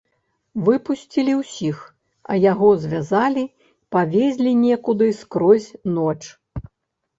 Выпусцілі ўсіх, а яго звязалі, павезлі некуды скрозь ноч.